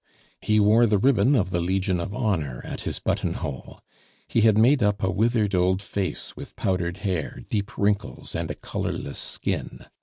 He wore the ribbon of the Legion of Honor at his button hole. He had made up a withered old face with powdered hair, deep wrinkles, and a colorless skin.